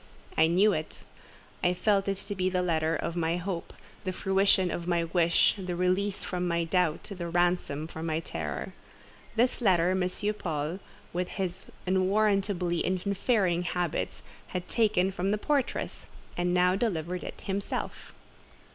I knew it, I felt it to be the letter of my hope, the fruition of my wish, the release from my doubt, the ransom from my terror. This letter M. Paul, with his unwarrantably interfering habits, had taken from the portress, and now delivered it himself.